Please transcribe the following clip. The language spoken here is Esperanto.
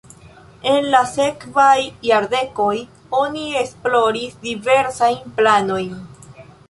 En la sekvaj jardekoj oni esploris diversajn planojn.